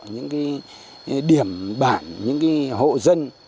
những điểm bản những hộ dân